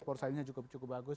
sportsainnya juga cukup cukup bagus